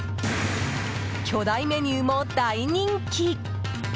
巨大メニューも大人気！